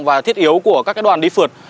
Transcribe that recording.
và thiết yếu của các cái đoàn đi phượt